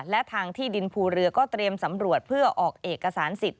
และทางที่ดินภูเรือก็เตรียมสำรวจเพื่อออกเอกสารสิทธิ